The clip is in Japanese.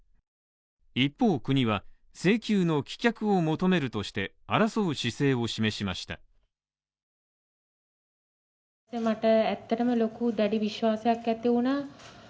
一方、国は請求の棄却を求めるとして争う姿勢を示しました。